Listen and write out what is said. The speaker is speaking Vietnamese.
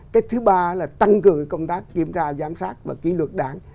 cái thứ ba là tăng cường công tác kiểm tra giám sát và kỷ luật đảng